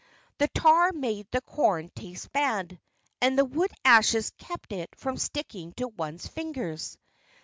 The tar made the corn taste bad. And the wood ashes kept it from sticking to one's fingers.